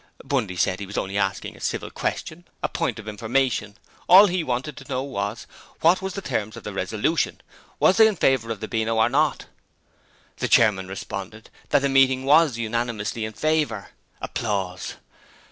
Bundy said he was only asking a civil question, a point of information: all he wanted to know was, what was the terms of the resolution? Was they in favour of the Beano or not? The chairman responded that the meeting was unanimously in favour.